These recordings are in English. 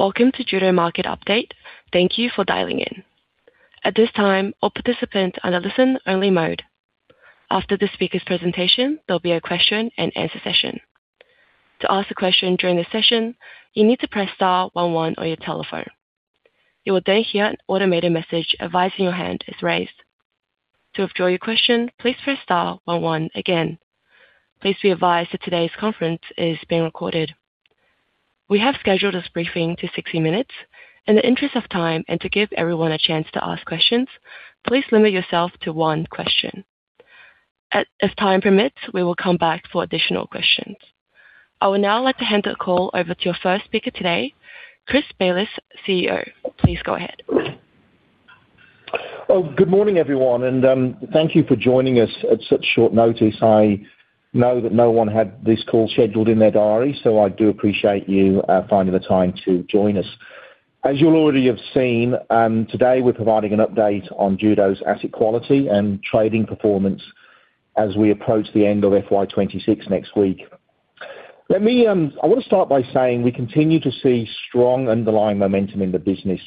Welcome to Judo Market Update. Thank you for dialing in. At this time, all participants are in listen-only mode. After the speaker's presentation, there will be a question-and-answer session. To ask a question during the session, you need to press star one one on your telephone. You will then hear an automated message advising your hand is raised. To withdraw your question, please press star one one again. Please be advised that today's conference is being recorded. We have scheduled this briefing to 60 minutes. In the interest of time, and to give everyone a chance to ask questions, please limit yourself to one question. As time permits, we will come back for additional questions. I would now like to hand the call over to our first speaker today, Chris Bayliss, CEO. Please go ahead. Good morning, everyone, and thank you for joining us at such short notice. I know that no one had this call scheduled in their diary, so I do appreciate you finding the time to join us. As you already have seen, today we are providing an update on Judo’s asset quality and trading performance as we approach the end of FY 2026 next week. I want to start by saying we continue to see strong underlying momentum in the business.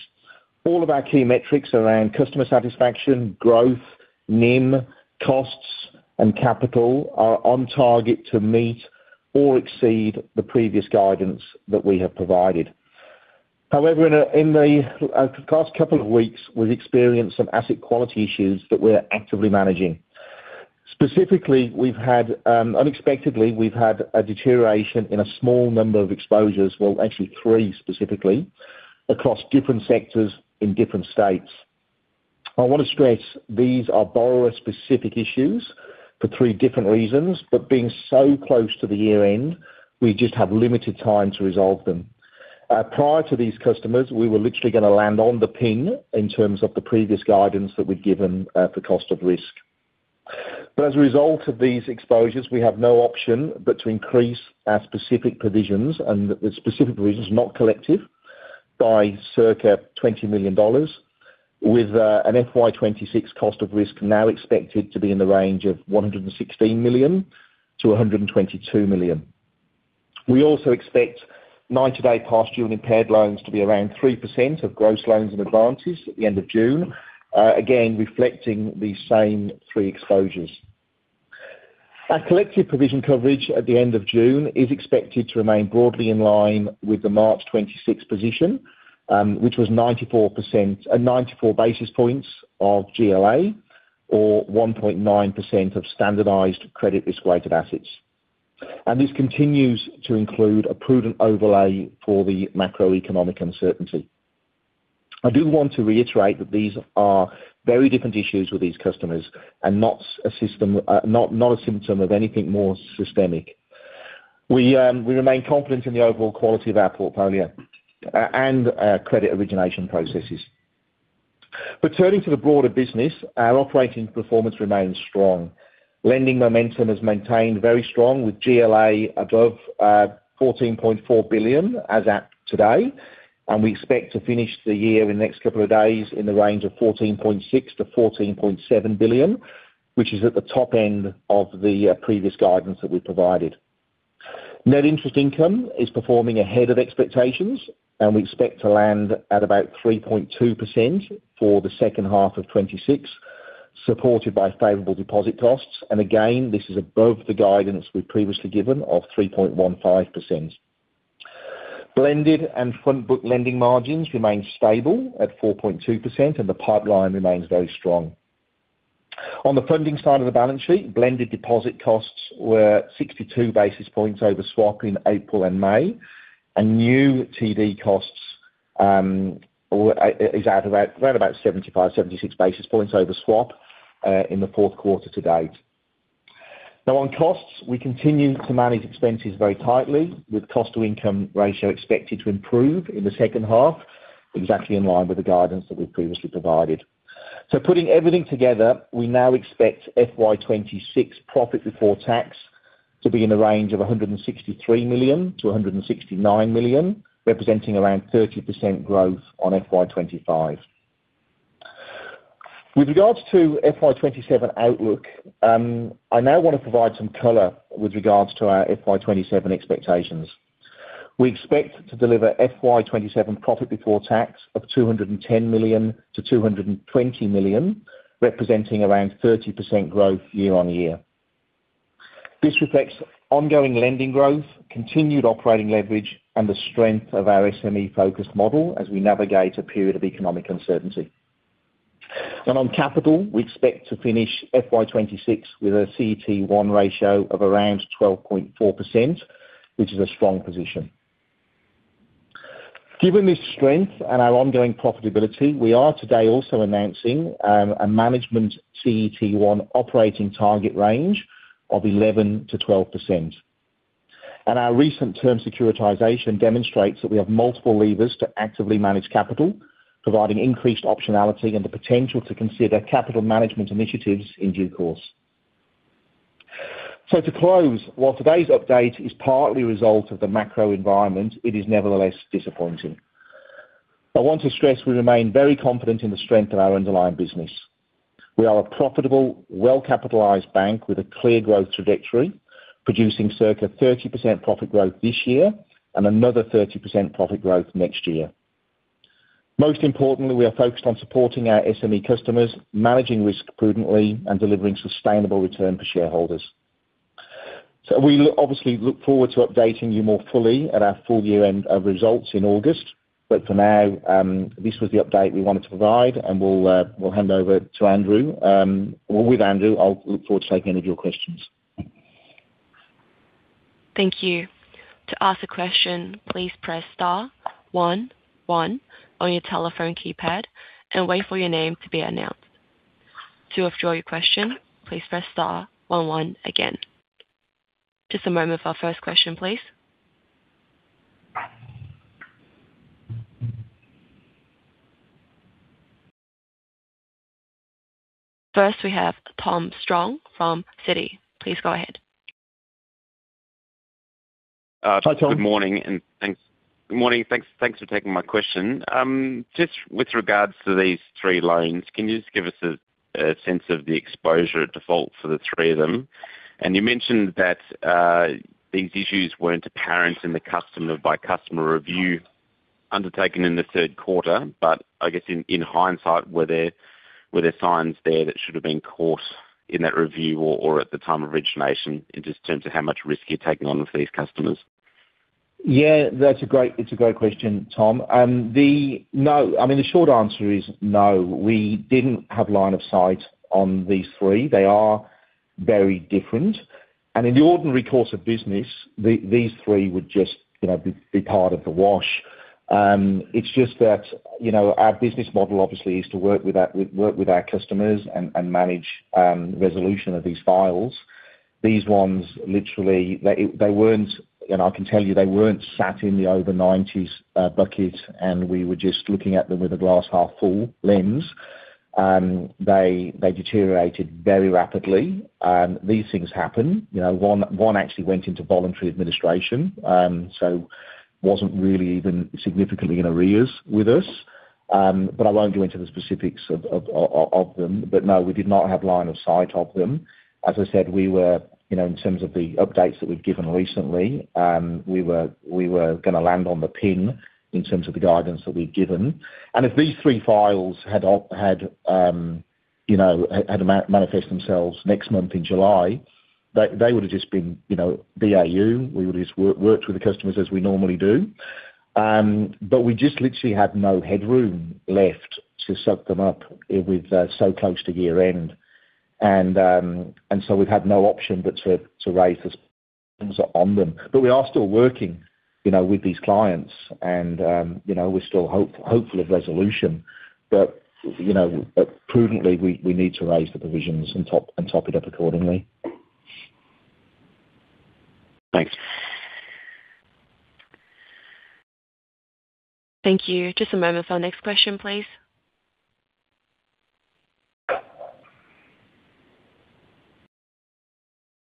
All of our key metrics around customer satisfaction, growth, NIM, costs, and capital are on target to meet or exceed the previous guidance that we have provided. In the past couple of weeks, we have experienced some asset quality issues that we are actively managing. Specifically, unexpectedly, we have had a deterioration in a small number of exposures. Actually three specifically, across different sectors in different states. I want to stress these are borrower-specific issues for three different reasons, but being so close to the year-end, we just have limited time to resolve them. Prior to these customers, we were literally going to land on the pin in terms of the previous guidance that we had given for cost of risk. As a result of these exposures, we have no option but to increase our specific provisions, and the specific provisions not collective, by circa 20 million dollars with an FY 2026 cost of risk now expected to be in the range of 116 million-122 million. We also expect 90+ days past due and impaired loans to be around 3% of gross loans and advances at the end of June. Again, reflecting the same three exposures. Our collective provision coverage at the end of June is expected to remain broadly in line with the March 2026 position, which was 94 basis points of GLA or 1.9% of standardised credit risk-weighted assets. This continues to include a prudent overlay for the macroeconomic uncertainty. I do want to reiterate that these are very different issues with these customers and not a symptom of anything more systemic. We remain confident in the overall quality of our portfolio and our credit origination processes. Turning to the broader business, our operating performance remains strong. Lending momentum has maintained very strong with GLA above 14.4 billion as at today. We expect to finish the year in the next couple of days in the range of 14.6 billion-14.7 billion, which is at the top end of the previous guidance that we provided. Net interest income is performing ahead of expectations. We expect to land at about 3.2% for the second half of 2026, supported by favorable deposit costs. Again, this is above the guidance we'd previously given of 3.15%. Blended and front book lending margins remain stable at 4.2%. The pipeline remains very strong. On the funding side of the balance sheet, blended deposit costs were 62 basis points over swap in April and May, and new TD costs is at around about 75, 76 basis points over swap, in the fourth quarter to date. On costs, we continue to manage expenses very tightly, with cost to income ratio expected to improve in the second half, exactly in line with the guidance that we've previously provided. Putting everything together, we now expect FY 2026 profit before tax to be in the range of 163 million-169 million, representing around 30% growth on FY 2025. With regards to FY 2027 outlook, I now want to provide some color with regards to our FY 2027 expectations. We expect to deliver FY 2027 profit before tax of 210 million-220 million, representing around 30% growth year-on-year. This reflects ongoing lending growth, continued operating leverage, and the strength of our SME focus model as we navigate a period of economic uncertainty. On capital, we expect to finish FY 2026 with a CET1 ratio of around 12.4%, which is a strong position. Given this strength and our ongoing profitability, we are today also announcing a management CET1 operating target range of 11%-12%. Our recent term securitization demonstrates that we have multiple levers to actively manage capital, providing increased optionality and the potential to consider capital management initiatives in due course. To close, while today's update is partly a result of the macro environment, it is nevertheless disappointing. I want to stress we remain very confident in the strength of our underlying business. We are a profitable, well-capitalized bank with a clear growth trajectory, producing circa 30% profit growth this year and another 30% profit growth next year. Most importantly, we are focused on supporting our SME customers, managing risk prudently, and delivering sustainable return for shareholders. We obviously look forward to updating you more fully at our full year-end of results in August. For now, this was the update we wanted to provide, and we'll hand over to Andrew. With Andrew, I'll look forward to taking any of your questions. Thank you. To ask a question, please press star one one on your telephone keypad and wait for your name to be announced. To withdraw your question, please press star one one again. Just a moment for our first question, please. First, we have Tom Strong from Citi. Please go ahead. Hi, Tom. Good morning. Thanks for taking my question. Just with regards to these three loans, can you just give us a sense of the exposure default for the three of them? You mentioned that these issues weren't apparent in the customer by customer review undertaken in the third quarter. I guess in hindsight, were there signs there that should have been caught in that review or at the time of origination in just terms of how much risk you're taking on with these customers? Yeah, that's a great question, Tom. The short answer is no. We didn't have line of sight on these three. They are very different. In the ordinary course of business, these three would just be part of the wash. It's just that our business model, obviously, is to work with our customers and manage resolution of these files. These ones, literally, I can tell you, they weren't sat in the over 90s bucket. We were just looking at them with a glass half full lens. They deteriorated very rapidly. These things happen. One actually went into voluntary administration, so wasn't really even significantly in arrears with us. I won't go into the specifics of them. No, we did not have line of sight of them. As I said, in terms of the updates that we've given recently, we were going to land on the pin in terms of the guidance that we've given. If these three files had manifest themselves next month in July, they would have just been BAU. We would just work with the customers as we normally do. We just literally had no headroom left to suck them up with so close to year-end. We've had no option but to raise the on them. We are still working with these clients and we're still hopeful of resolution. Prudently, we need to raise the provisions and top it up accordingly. Thanks. Thank you. Just a moment for our next question, please.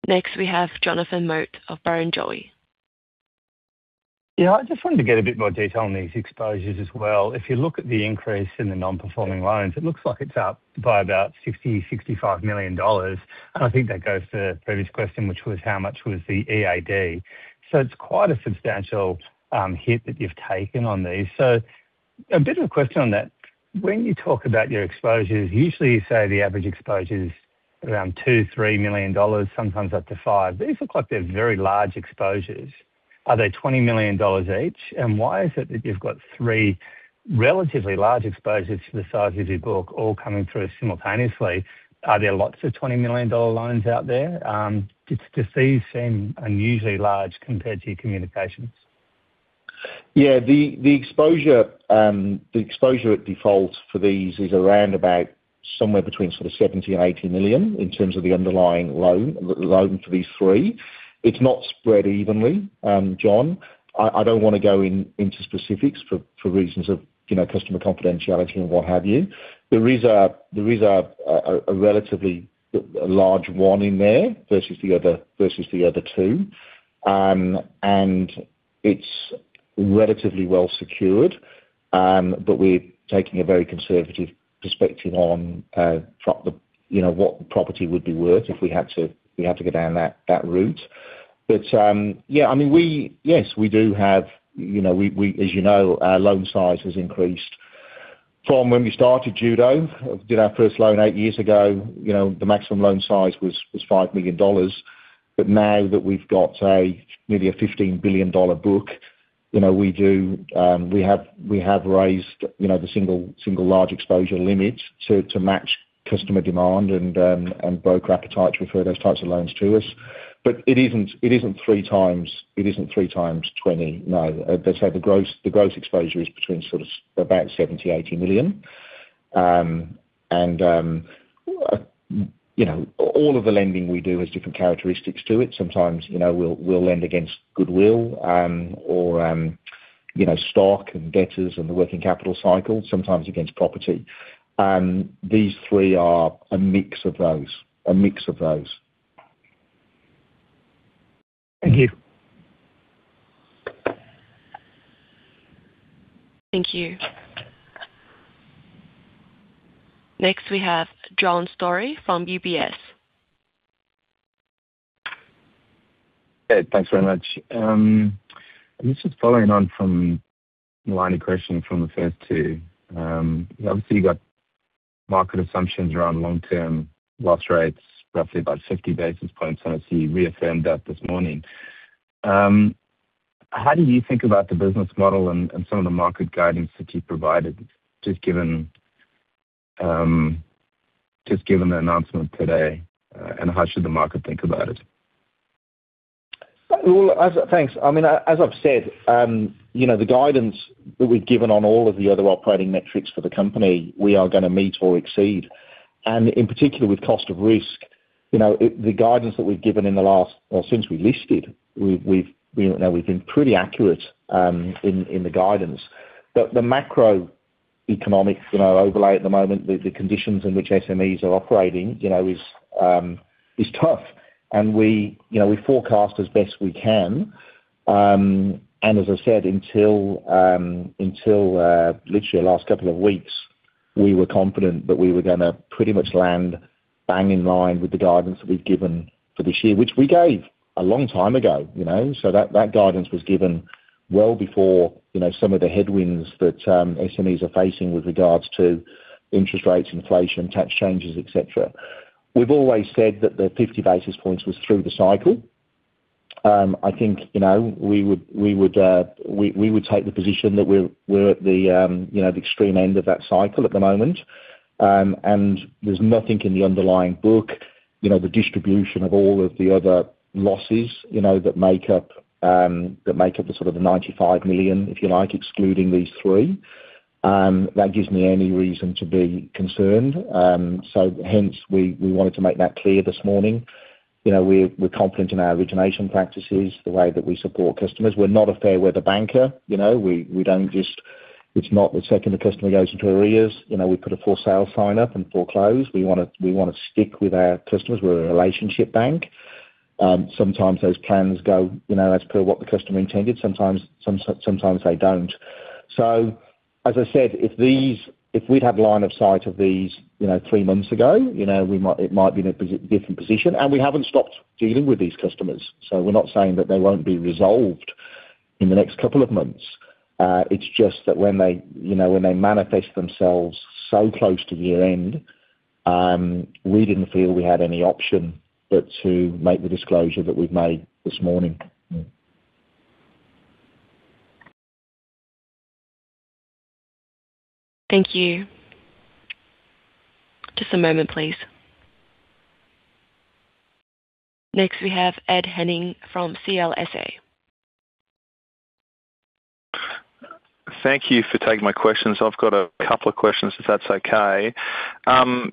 Next, we have Jonathan Mott of Barrenjoey. I just wanted to get a bit more detail on these exposures as well. If you look at the increase in the non-performing loans, it looks like it's up by about 60 million-65 million dollars. I think that goes to the previous question, which was how much was the EAD? It's quite a substantial hit that you've taken on these. A bit of a question on that. When you talk about your exposures, usually you say the average exposure is around 2 million-3 million dollars, sometimes up to 5 million. These look like they're very large exposures. Are they 20 million dollars each? Why is it that you've got three relatively large exposures to the size of your book all coming through simultaneously? Are there lots of 20 million dollar loans out there? These seem unusually large compared to your communications. The exposure at default for these is around about somewhere between 70 million-80 million in terms of the underlying loan for these three. It's not spread evenly, John. I don't want to go into specifics for reasons of customer confidentiality and what have you. There is a relatively large one in there versus the other two. It's relatively well secured, we're taking a very conservative perspective on what the property would be worth if we had to go down that route. Yes, as you know, our loan size has increased from when we started Judo, did our first loan eight years ago, the maximum loan size was 5 million dollars. Now that we've got nearly a 15 billion dollar book, we have raised the single large exposure limit to match customer demand and broker appetite to refer those types of loans to us. It isn't 3x20. No. As I said, the gross exposure is between about 70 million-80 million. All of the lending we do has different characteristics to it. Sometimes, we'll lend against goodwill, or stock and debtors and the working capital cycle, sometimes against property. These three are a mix of those. Thank you. Thank you. Next, we have John Storey from UBS. Ed, thanks very much. I'm just following on from [Milani] question from the first two. You got market assumptions around long-term loss rates, roughly about 50 basis points, and obviously you reaffirmed that this morning. How do you think about the business model and some of the market guidance that you provided, just given the announcement today, and how should the market think about it? Thanks. As I've said, the guidance that we've given on all of the other operating metrics for the company, we are going to meet or exceed. In particular, with cost of risk, the guidance that we've given in the last well, since we listed, we've been pretty accurate in the guidance. The macroeconomic overlay at the moment, the conditions in which SMEs are operating, is tough. We forecast as best we can. As I said, until literally the last couple of weeks, we were confident that we were going to pretty much land bang in line with the guidance that we've given for this year. Which we gave a long time ago. That guidance was given well before some of the headwinds that SMEs are facing with regards to interest rates, inflation, tax changes, et cetera. We've always said that the 50 basis points was through the cycle. I think, we would take the position that we're at the extreme end of that cycle at the moment. There's nothing in the underlying book, the distribution of all of the other losses, that make up the sort of the 95 million, if you like, excluding these three, that gives me any reason to be concerned. Hence, we wanted to make that clear this morning. We're confident in our origination practices, the way that we support customers. We're not a fair weather banker. It's not the second the customer goes into arrears, we put a for sale sign up and foreclose. We want to stick with our customers. We're a relationship bank. Sometimes those plans go as per what the customer intended. Sometimes they don't. As I said, if we'd had line of sight of these three months ago, it might be in a different position. We haven't stopped dealing with these customers. We're not saying that they won't be resolved in the next couple of months. It's just that when they manifest themselves so close to year-end, we didn't feel we had any option but to make the disclosure that we've made this morning. Thank you. Just a moment, please. Next, we have Ed Henning from CLSA. Thank you for taking my questions. I've got a couple of questions, if that's okay.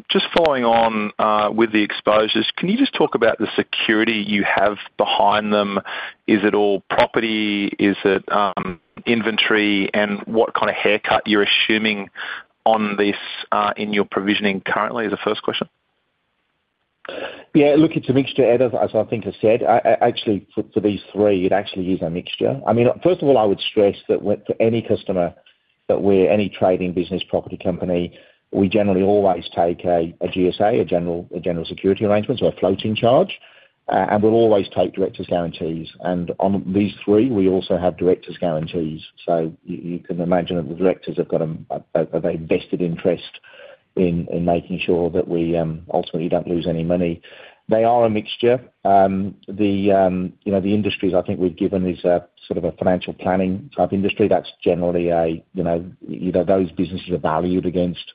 Just following on with the exposures, can you just talk about the security you have behind them? Is it all property? Is it inventory? What kind of haircut you're assuming on this in your provisioning currently, as a first question. It's a mixture, Ed Henning, as I think I said. Actually, for these three, it actually is a mixture. First of all, I would stress that for any customer that we're any trading business property company, we generally always take a GSA, a general security arrangement, so a floating charge. We'll always take directors' guarantees. On these three, we also have directors' guarantees. You can imagine that the directors have a vested interest in making sure that we ultimately don't lose any money. They are a mixture. The industries I think we've given is a sort of a financial planning type industry. Those businesses are valued against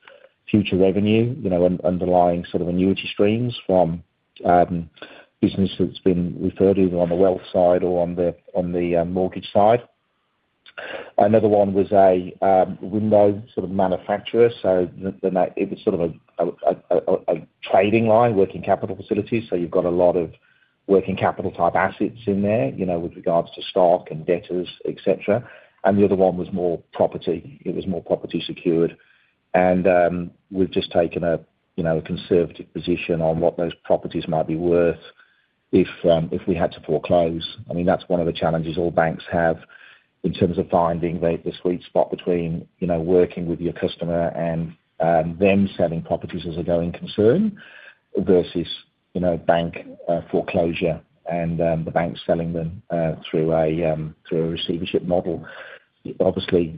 future revenue, underlying sort of annuity streams from business that's been referred either on the wealth side or on the mortgage side. Another one was a window manufacturer. It was sort of a trading line working capital facility. You've got a lot of working capital type assets in there, with regards to stock and debtors, et cetera. The other one was more property. It was more property secured. We've just taken a conservative position on what those properties might be worth if we had to foreclose. That's one of the challenges all banks have in terms of finding the sweet spot between working with your customer and them selling properties as a going concern versus bank foreclosure and the bank selling them through a receivership model. Obviously,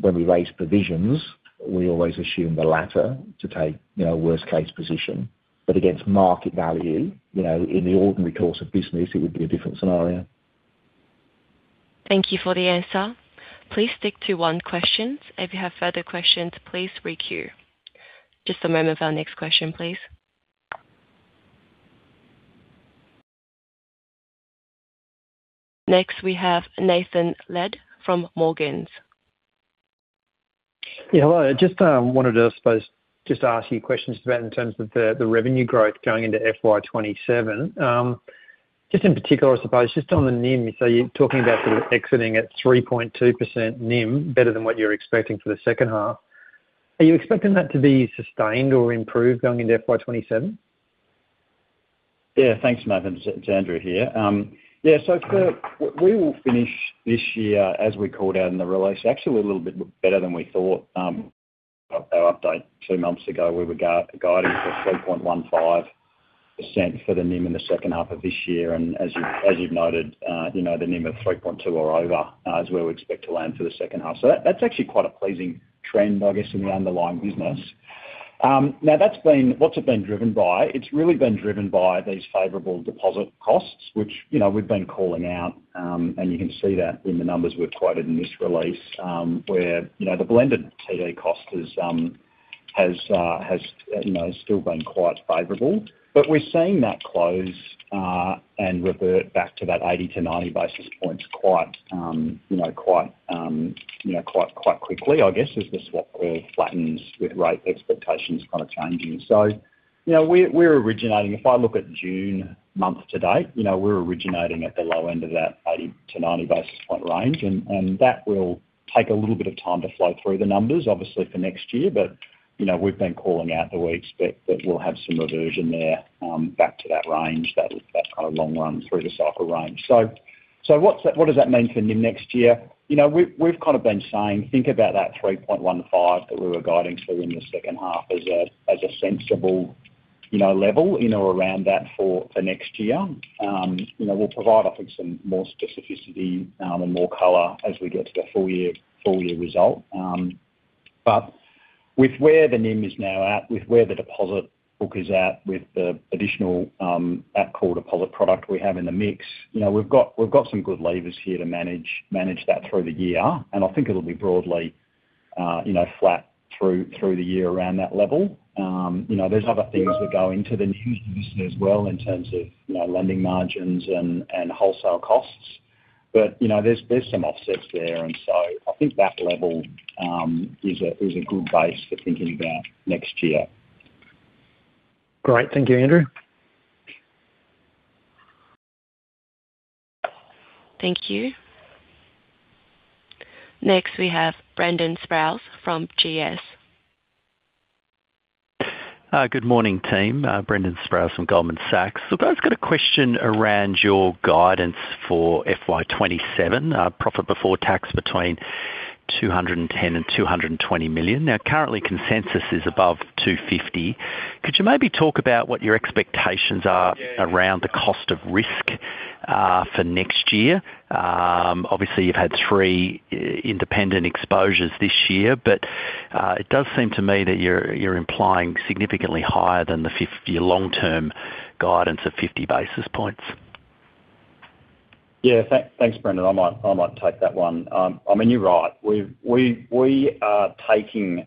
when we raise provisions, we always assume the latter to take worst case position. Against market value, in the ordinary course of business, it would be a different scenario. Thank you for the answer. Please stick to one question. If you have further questions, please re-queue. Just a moment for our next question, please. Next, we have Nathan Lead from Morgans. Hello. Just wanted to, I suppose, ask you questions about in terms of the revenue growth going into FY 2027. Just in particular, I suppose, on the NIM. You're talking about sort of exiting at 3.2% NIM, better than what you're expecting for the second half. Are you expecting that to be sustained or improved going into FY 2027? Thanks, Nathan. It's Andrew here. We will finish this year as we called out in the release, actually, a little bit better than we thought. Our update two months ago, we were guiding for 3.15% for the NIM in the second half of this year. As you've noted, the NIM of 3.2 or over is where we expect to land for the second half. That's actually quite a pleasing trend, I guess, in the underlying business. What's it been driven by? It's really been driven by these favorable deposit costs, which we've been calling out. You can see that in the numbers we've quoted in this release, where the blended TD cost has still been quite favorable. We're seeing that close and revert back to that 80-90 basis points quite quickly, I guess, as the swap curve flattens with rate expectations kind of changing. We're originating. If I look at June month-to-date, we're originating at the low end of that 80-90 basis point range, and that will take a little bit of time to flow through the numbers, obviously, for next year. We've been calling out that we expect that we'll have some reversion there back to that range, that kind of long run through the cycle range. What does that mean for NIM next year? We've kind of been saying think about that 3.15 that we were guiding to in the second half as a sensible level in or around that for next year. We'll provide, I think, some more specificity and more color as we get to the full year result. With where the NIM is now at, with where the deposit book is at, with the additional at-call deposit product we have in the mix, we've got some good levers here to manage that through the year, and I think it'll be broadly flat through the year around that level. There's other things that go into the NIM business as well in terms of lending margins and wholesale costs. There's some offsets there, I think that level is a good base for thinking about next year. Great. Thank you, Andrew. Thank you. Next, we have Brendan Sproules from GS. Good morning, team. Brendan Sproules from Goldman Sachs. I've just got a question around your guidance for FY 2027, Profit Before Tax between 210 million and 220 million. Currently consensus is above 250 million. Could you maybe talk about what your expectations are around the cost of risk for next year? Obviously, you've had three independent exposures this year, but it does seem to me that you're implying significantly higher than your long-term guidance of 50 basis points. Thanks, Brendan. I might take that one. I mean, you're right. We are taking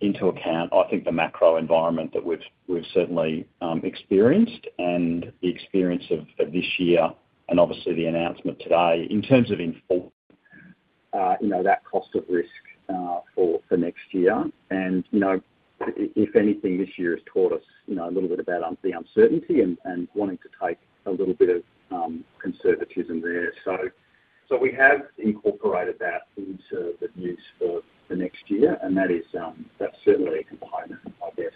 into account, I think, the macro environment that we've certainly experienced and the experience of this year and obviously the announcement today in terms of informing that cost of risk for next year. If anything, this year has taught us a little bit about the uncertainty and wanting to take a little bit of conservatism there. We have incorporated that into the views for next year, and that's certainly a component, I guess,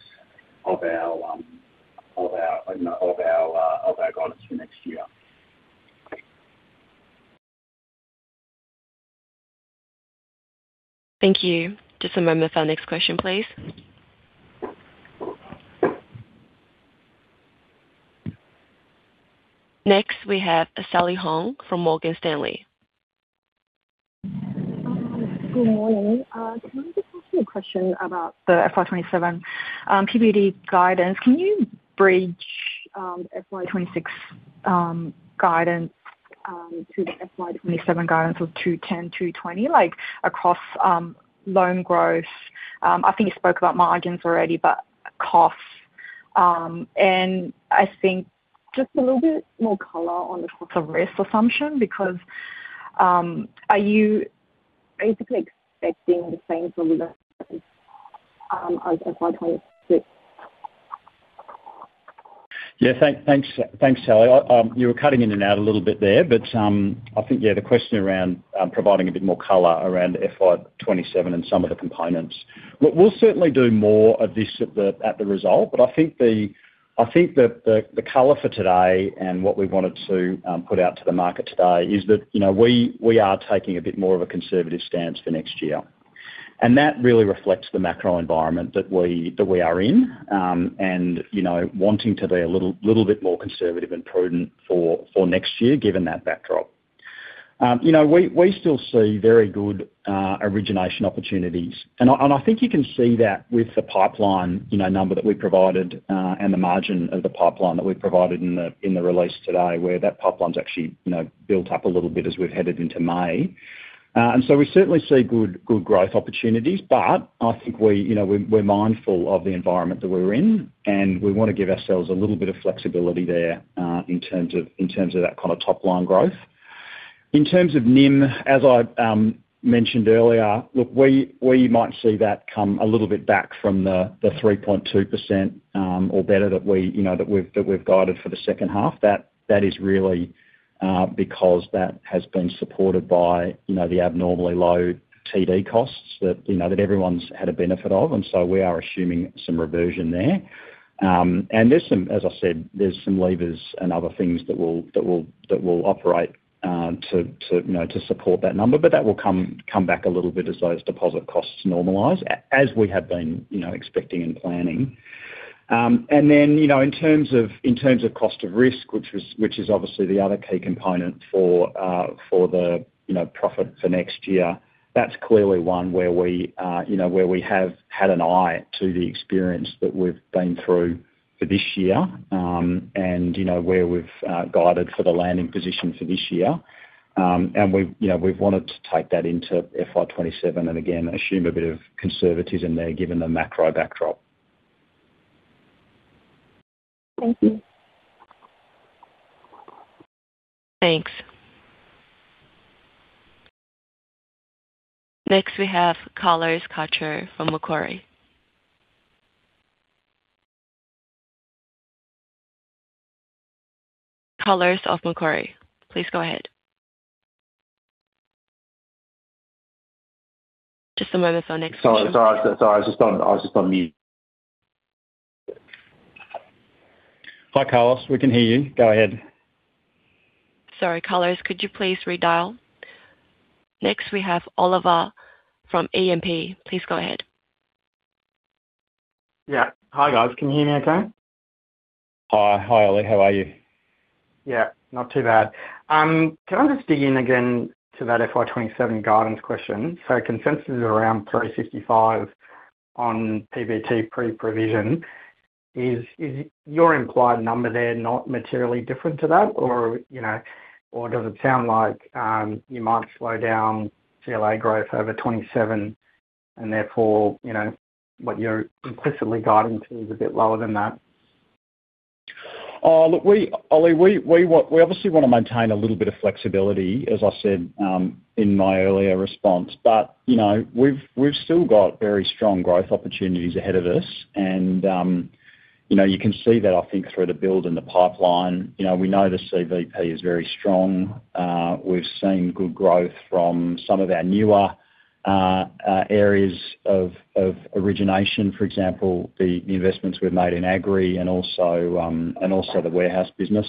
of our guidance for next year. Thank you. Just a moment for our next question, please. Next, we have Sally Hong from Morgan Stanley. Good morning. Can I just ask you a question about the FY 2027 PBT guidance? Can you bridge FY 2026 guidance to the FY 2027 guidance of 210 million-220 million, across loan growth? I think you spoke about margins already. Costs. I think just a little bit more color on the cost of risk assumption, because are you basically expecting the same from as FY 2026? Yeah. Thanks, Sally Hong. You were cutting in and out a little bit there. I think, yeah, the question around providing a bit more color around FY 2027 and some of the components. Look, we'll certainly do more of this at the result. I think that the color for today and what we wanted to put out to the market today is that we are taking a bit more of a conservative stance for next year. That really reflects the macro environment that we are in, and wanting to be a little bit more conservative and prudent for next year given that backdrop. We still see very good origination opportunities. I think you can see that with the pipeline number that we provided and the margin of the pipeline that we provided in the release today, where that pipeline's actually built up a little bit as we've headed into May. We certainly see good growth opportunities, but I think we're mindful of the environment that we're in, and we want to give ourselves a little bit of flexibility there in terms of that kind of top-line growth. In terms of NIM, as I mentioned earlier, look, we might see that come a little bit back from the 3.2% or better that we've guided for the second half. That is really because that has been supported by the abnormally low TD costs that everyone's had a benefit of. We are assuming some reversion there. As I said, there's some levers and other things that will operate to support that number. That will come back a little bit as those deposit costs normalize, as we have been expecting and planning. In terms of cost of risk, which is obviously the other key component for the profit for next year, that's clearly one where we have had an eye to the experience that we've been through for this year, and where we've guided for the landing position for this year. We've wanted to take that into FY 2027, again, assume a bit of conservatism there given the macro backdrop. Thank you. Thanks. Next, we have Carlos Castro from Macquarie. Carlos of Macquarie, please go ahead. Just a moment for next speaker. Sorry. I was just on mute. Hi, Carlos. We can hear you. Go ahead. Sorry, Carlos, could you please redial? Next, we have Olivier from E&P. Please go ahead. Yeah. Hi, guys. Can you hear me okay? Hi, Oli. How are you? Yeah, not too bad. Can I just dig in again to that FY 2027 guidance question? Consensus is around 355 on PBT pre-provision. Is your implied number there not materially different to that? Does it sound like you might slow down GLA growth over 2027 and therefore, what you're implicitly guiding to is a bit lower than that? Oli, we obviously want to maintain a little bit of flexibility, as I said in my earlier response. We've still got very strong growth opportunities ahead of us. You can see that, I think, through the build in the pipeline. We know the CVP is very strong. We've seen good growth from some of our newer areas of origination. For example, the investments we've made in agri and also the warehouse business.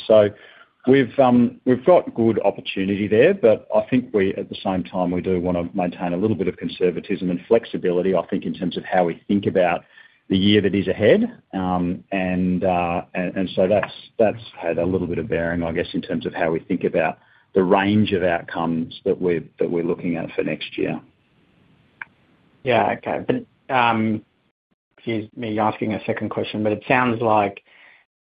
We've got good opportunity there, I think at the same time, we do want to maintain a little bit of conservatism and flexibility, I think, in terms of how we think about the year that is ahead. That's had a little bit of bearing, I guess, in terms of how we think about the range of outcomes that we're looking at for next year. Yeah. Okay. Excuse me asking a second question, it sounds like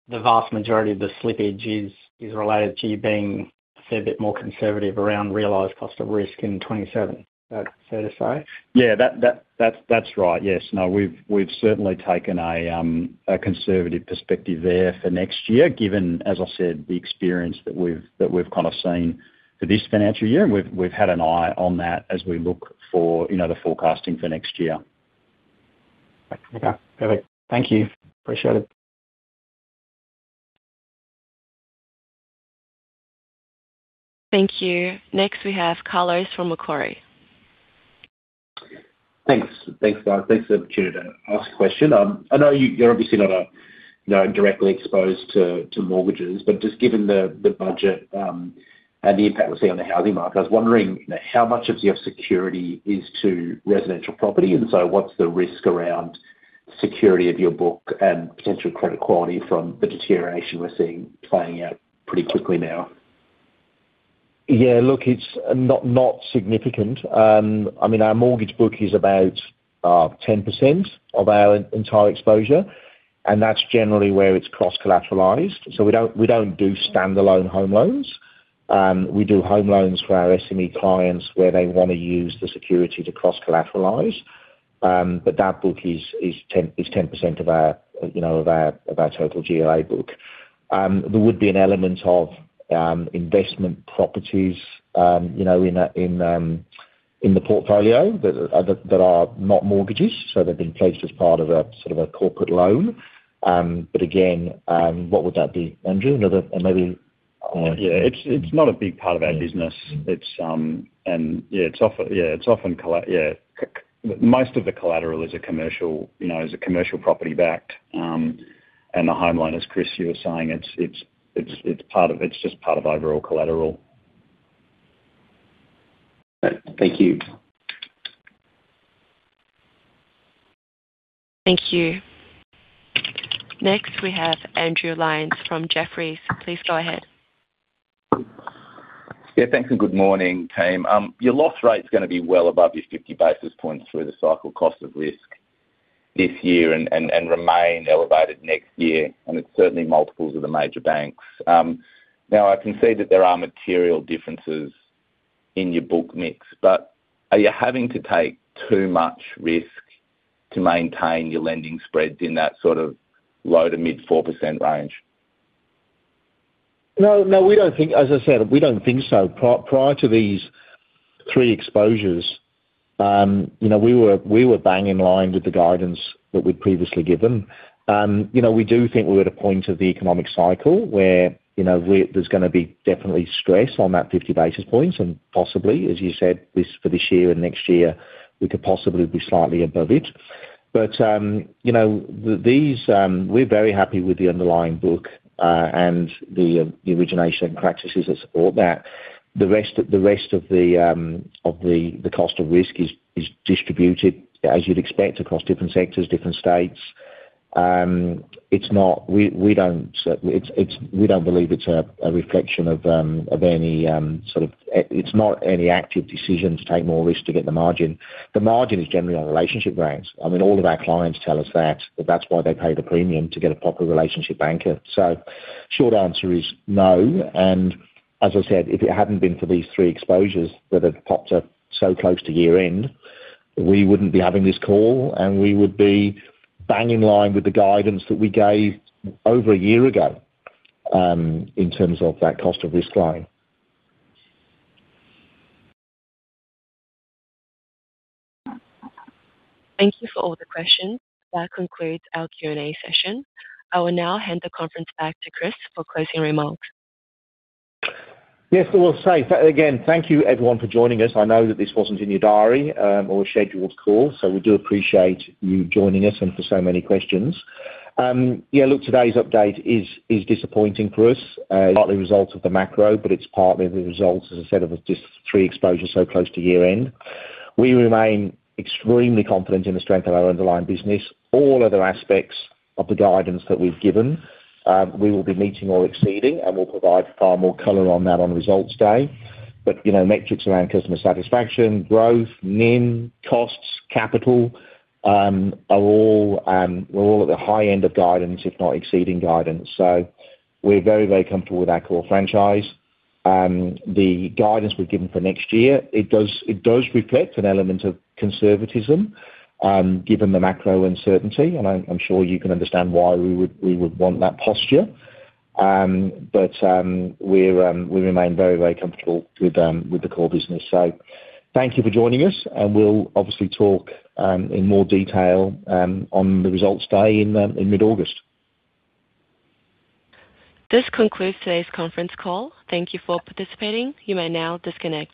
the vast majority of the slippage is related to you being a fair bit more conservative around realized cost of risk in FY 2027. Is that fair to say? Yeah. That's right. Yes. No, we've certainly taken a conservative perspective there for next year, given, as I said, the experience that we've kind of seen for this financial year. We've had an eye on that as we look for the forecasting for next year. Okay. Perfect. Thank you. Appreciate it. Thank you. Next, we have Carlos from Macquarie. Thanks. Thanks, guys. Thanks for the opportunity to ask a question. I know you're obviously not directly exposed to mortgages. Just given the budget, and the impact we're seeing on the housing market, I was wondering how much of your security is to residential property. So what's the risk around security of your book and potential credit quality from the deterioration we're seeing playing out pretty quickly now? Yeah. Look, it's not significant. Our mortgage book is about 10% of our entire exposure. That's generally where it's cross-collateralized. We don't do standalone home loans. We do home loans for our SME clients where they want to use the security to cross-collateralize. That book is 10% of our total GLA book. There would be an element of investment properties in the portfolio that are not mortgages, so they've been placed as part of a sort of a corporate loan. Again, what would that be, Andrew? Another. Yeah. It's not a big part of our business. Most of the collateral is commercial, property-backed. The home loan, as Chris, you were saying, it's just part of overall collateral. Thank you. Thank you. Next, we have Andrew Lyons from Jefferies. Please go ahead. Yeah. Thanks, good morning, team. Your loss rate's going to be well above your 50 basis points through the cycle cost of risk this year and remain elevated next year. It's certainly multiples of the major banks. I can see that there are material differences in your book mix, are you having to take too much risk to maintain your lending spreads in that sort of low to mid 4% range? No. As I said, we don't think so. Prior to these three exposures, we were bang in line with the guidance that we'd previously given. We do think we're at a point of the economic cycle where there's going to be definitely stress on that 50 basis points and possibly, as you said, for this year and next year, we could possibly be slightly above it. We're very happy with the underlying book, and the origination practices that support that. The rest of the cost of risk is distributed as you'd expect across different sectors, different states. We don't believe it's a reflection of any sort of active decision to take more risk to get the margin. The margin is generally on relationship banks. All of our clients tell us that's why they pay the premium to get a proper relationship banker. Short answer is no, as I said, if it hadn't been for these three exposures that have popped up so close to year-end, we wouldn't be having this call, we would be bang in line with the guidance that we gave over a year ago, in terms of that cost of risk line. Thank you for all the questions. That concludes our Q&A session. I will now hand the conference back to Chris for closing remarks. Yes. Well, safe. Again, thank you everyone for joining us. I know that this wasn't in your diary, or a scheduled call, so we do appreciate you joining us and for so many questions. Yeah, look, today's update is disappointing for us, partly a result of the macro, but it's partly the result, as I said, of just three exposures so close to year-end. We remain extremely confident in the strength of our underlying business. All other aspects of the guidance that we've given, we will be meeting or exceeding, and we'll provide far more color on that on results day. Metrics around customer satisfaction, growth, NIM, costs, capital, we're all at the high end of guidance, if not exceeding guidance. We're very, very comfortable with our core franchise. The guidance we've given for next year, it does reflect an element of conservatism, given the macro uncertainty, and I'm sure you can understand why we would want that posture. We remain very, very comfortable with the core business. Thank you for joining us, and we'll obviously talk in more detail on the results day in mid-August. This concludes today's conference call. Thank you for participating. You may now disconnect.